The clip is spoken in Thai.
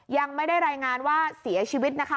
ยังไม่ได้รายงานว่าเสียชีวิตนะคะ